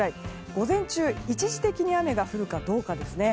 午前中、一時的に雨が降るかどうかですね。